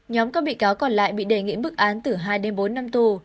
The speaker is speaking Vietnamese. nhóm các bị cáo còn lại bị đề nghị bức án từ hai đến bốn năm tù